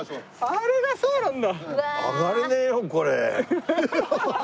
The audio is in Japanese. あれがそうなんだ。えっ！？